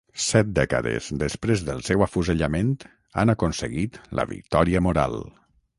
Set dècades després del seu afusellament han aconseguit la victòria moral.